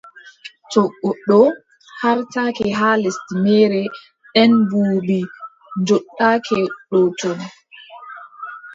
To goɗɗo haartake haa lesdi meere, nden buubi njooɗake dow ton,